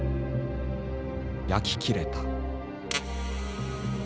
焼き切れた。